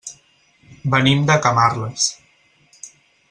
Venim de Camarles.